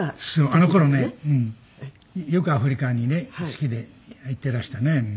あの頃ねよくアフリカにね好きで行ってらしたね。